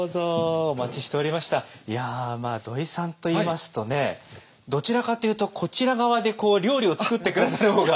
いや土井さんといいますとねどちらかというとこちら側で料理を作って下さる方が。